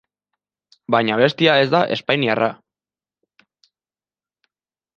Baina abestia ez da espainiarra.